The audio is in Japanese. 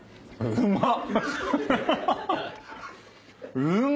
うまっ！